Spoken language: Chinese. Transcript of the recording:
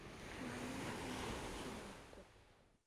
里奥拉戈是巴西阿拉戈斯州的一个市镇。